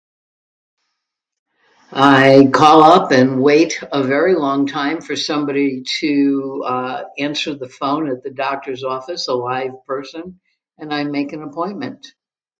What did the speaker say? I call up and wait a very long time for somebody to uh answer the phone at the doctor's office, a live person, and I make an appointment.